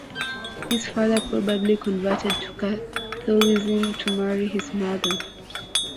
His father probably converted to Catholicism to marry his mother.